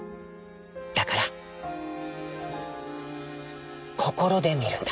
だから『こころで』みるんだ」。